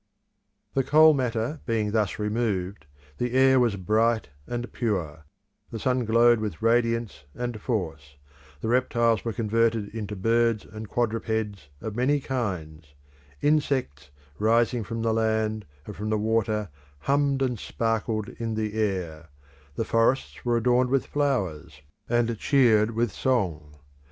The coal matter being thus removed, the air was bright and pure; the sun glowed with radiance and force; the reptiles were converted into birds and quadrupeds of many kinds; insects rising from the land and from the water hummed and sparkled in the air; the forests were adorned with flowers, and cheered with song.